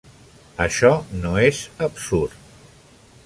Això no és absurd.